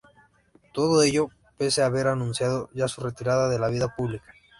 Todo ello, pese a haber anunciado ya su retirada de la vida pública.